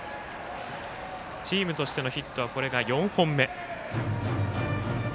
チームとしてのヒットはこれが４本目。